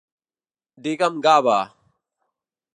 Digue'm Gabe.